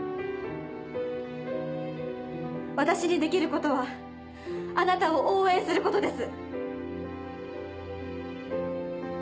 私にできることはあなたを応援することです。